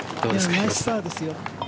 ナイスパーですよ。